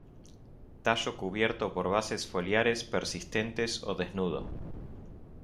Tallo cubierto por bases foliares persistentes o desnudo.